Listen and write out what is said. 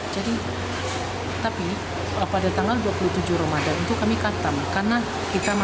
jadi setiap tahun dua puluh tujuh ramadan itu kami katam